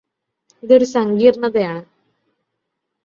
ഇതൊരു സങ്കീർണതായാണ്.